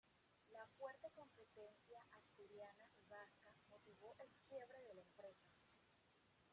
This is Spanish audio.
La fuerte competencia asturiana y vasca motivó el quiebre de la empresa.